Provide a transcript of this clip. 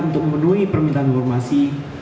untuk menuhi permintaan informasi